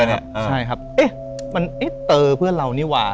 ใช่ครับเอ๊ะมันเตอร์เพื่อนเรานี่ว่ะ